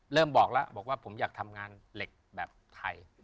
บอกแล้วบอกว่าผมอยากทำงานเหล็กแบบไทย